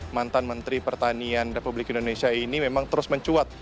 mantan menteri pertanian republik indonesia ini memang terus mencuat